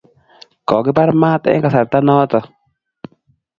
Ko kibar mat eng kasarta notok